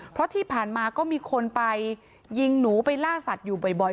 เพราะที่ผ่านมาก็มีคนไปยิงหนูไปล่าสัตว์อยู่บ่อย